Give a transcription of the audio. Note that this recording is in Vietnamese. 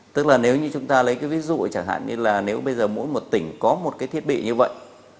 tức là nếu như chúng ta lấy cái ví dụ chẳng hạn như là nếu bây giờ mỗi một tỉnh có một cái thiết bị như vậy